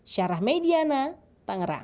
syarah mediana tangerang